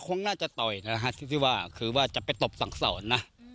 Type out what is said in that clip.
คงน่าจะต่อยนะฮะที่ว่าคือว่าจะไปตบสั่งสอนนะ